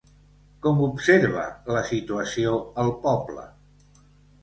Com observa la situació el poble?